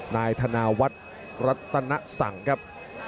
นายธนาวัฒน์รัตนสังครับ